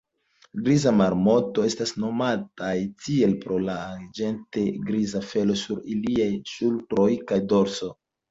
Grizaj marmotoj estas nomataj tiel pro la arĝente-griza felo sur iliaj ŝultroj kaj dorso.